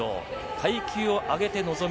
階級を上げて臨む